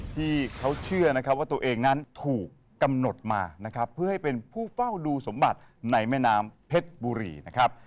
ที่เขาเชื่อนะครับว่าตัวเองนั้นถูกกำหนดมานะครับเพื่อให้เป็นผู้เฝ้าดูสมบัติในแม่น้ำเพชรบุรีนะครับ